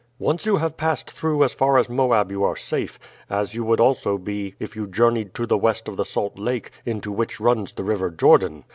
Once you have passed through as far as Moab you are safe; as you would also be if you journeyed to the west of the Salt Lake, into which runs the river Jordan.